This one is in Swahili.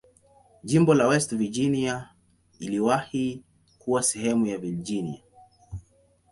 Jimbo la West Virginia iliwahi kuwa sehemu ya Virginia.